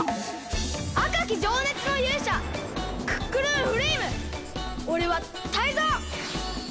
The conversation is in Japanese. あかきじょうねつのゆうしゃクックルンフレイムおれはタイゾウ！